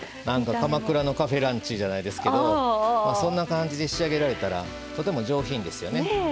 鎌倉のカフェランチじゃないですけどそんな感じで仕上げられたらとても上品ですよね。